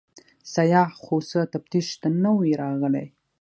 سیاح خو څه تفتیش ته نه وي راغلی.